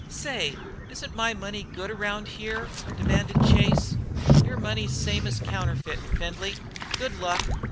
"Say, isn't my money any good round here?" demanded Chase. "Your money's same as counterfeit in Findlay. Good luck!"